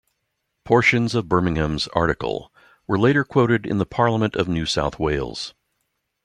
Portions of Birmingham's article were later quoted in the Parliament of New South Wales.